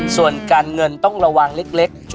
ส่วนการเงินต้องระวังเล็ก